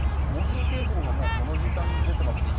暴風警報がこの時間出ています。